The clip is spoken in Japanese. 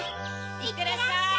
いってらっしゃい。